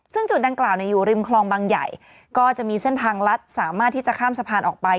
ซึ่งจุดดังกล่าวอยู่ริมคลองบางใหญ่ก็จะมีเส้นทางลัดสามารถที่จะข้ามสะพานออกไป